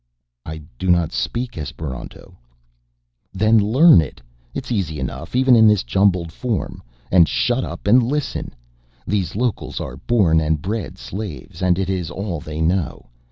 "I do not speak Esperanto." "Then learn it. It's easy enough even in this jumbled form. And shut up and listen. These locals are born and bred slaves and it is all they know.